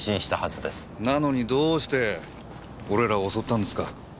なのにどうして俺らを襲ったんですか？